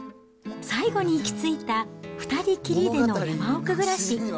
最後に行き着いた２人きりでの山奥暮らし。